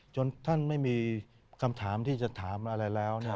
ท่านไม่มีคำถามที่จะถามอะไรแล้ว